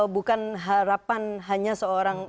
bukan harapan hanya seorang